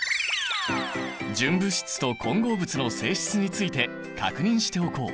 純物質と混合物の性質について確認しておこう。